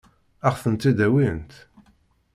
Ad ɣ-tent-id-awint?